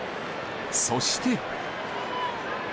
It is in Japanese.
そして。